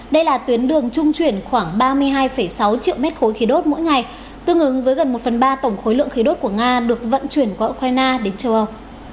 đây là tuyến đường trung chuyển khoảng ba mươi hai sáu triệu mét khối khí đốt mỗi ngày tương ứng với gần một phần ba tổng khối lượng khí đốt của nga được vận chuyển qua ukraine đến châu âu